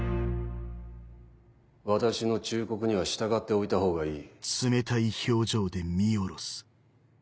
私の忠告には従っておいた方がいい。